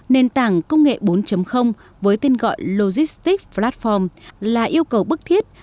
nền tảng công nghệ bốn với tên gọi logistic platform là yêu cầu bức thiết